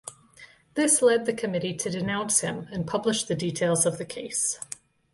This led the committee to denounce him and publish the details of the case.